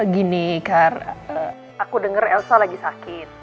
gini kar aku dengar elsa lagi sakit